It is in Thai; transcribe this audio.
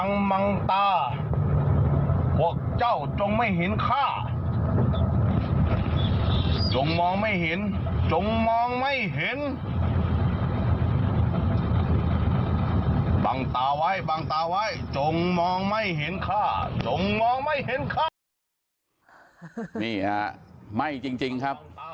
นี่ฮะไม่จริงครับ